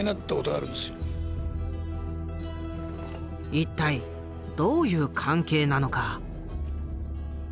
一体どういう関係なのか？